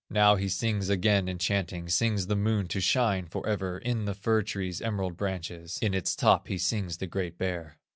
Now he sings again enchanting, Sings the Moon to shine forever In the fir tree's emerald branches; In its top he sings the Great Bear.